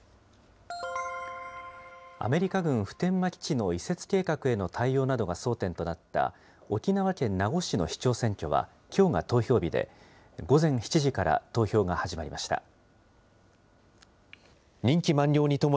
アメリカ軍普天間基地の移設計画への対応などが争点となった、沖縄県名護市の市長選挙はきょうが投票日で、午前７時から投票が始まりました。